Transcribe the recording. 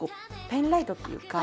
ペンライトっていうか。